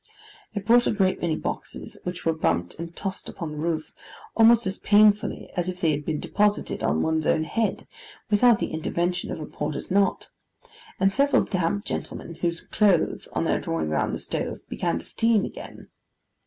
It brought a great many boxes, which were bumped and tossed upon the roof, almost as painfully as if they had been deposited on one's own head, without the intervention of a porter's knot; and several damp gentlemen, whose clothes, on their drawing round the stove, began to steam again.